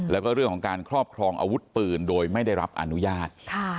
แล้วก็เรื่องของการครอบครองอาวุธปืนโดยไม่ได้รับอนุญาต